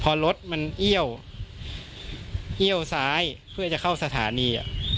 พอรถมันเอี้ยวซ้ายเพื่อจะเข้าสถานี